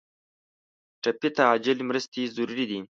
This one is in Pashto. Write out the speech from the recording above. ټپي ته عاجل مرستې ضروري دي.